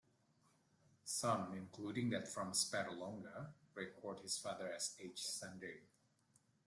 Some, including that from Sperlonga, record his father as Agesander.